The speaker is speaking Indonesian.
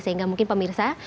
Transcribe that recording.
sehingga mungkin pemirsa